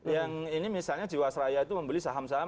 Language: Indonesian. yang ini misalnya jiwasraya itu membeli saham saham